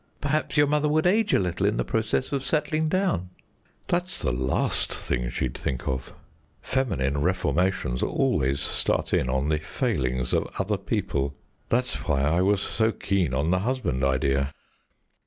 "Perhaps your mother would age a little in the process of settling down." "That's the last thing she'd think of. Feminine reformations always start in on the failings of other people. That's why I was so keen on the husband idea."